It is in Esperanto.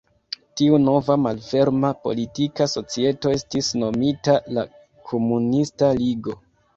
Tiu nova malferma politika societo estis nomita la Komunista Ligo.